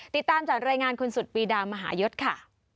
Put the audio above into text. ติดตามจากรายงานคุณสุดปีดามหายศค่ะ